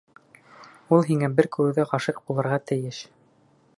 Ул һиңә бер күреүҙә ғашиҡ булырға тейеш!